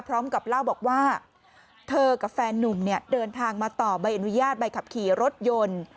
พร้อมกับเล่าบอกว่าเธอกับแฟนนุ่มเนี่ยเดินทางมาต่อใบอนุญาตใบขับขี่รถยนต์